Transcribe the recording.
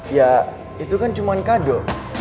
ya itu kan cuma kado